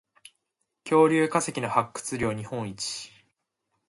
恐竜化石の発掘量日本一